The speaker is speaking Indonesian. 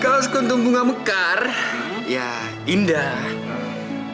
kalau sekuntum bunga mekar ya indah